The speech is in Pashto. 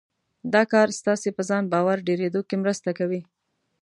دا کار ستاسې په ځان باور ډېرېدو کې مرسته کوي.